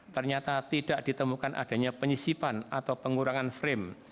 ternyata tidak ditemukan adanya penyisipan atau pengurangan frame